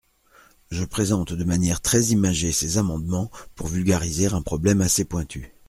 Je présente de manière très imagée ces amendements pour vulgariser un problème assez pointu.